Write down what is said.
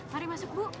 mari masuk bu